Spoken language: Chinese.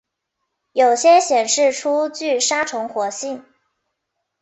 有些显示出具杀虫活性。